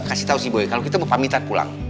kasih tahu si boy kalau kita mau pamit kan pulang